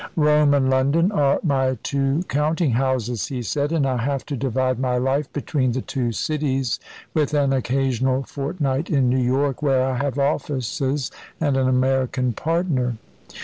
"Rome and London are my two counting houses," he said; "and I have to divide my life between the two cities, with an occasional fortnight in New York, where I have offices, and an American partner."